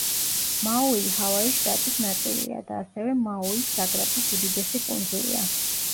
მაუი ჰავაის შტატის ნაწილია და ასევე მაუის საგრაფოს უდიდესი კუნძულია.